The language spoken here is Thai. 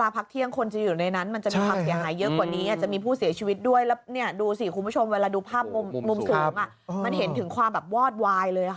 ผู้เสียชีวิตด้วยแล้วเนี่ยดูสิคุณผู้ชมเวลาดูภาพมุมสูงอ่ะมันเห็นถึงความแบบวอดวายเลยอ่ะค่ะ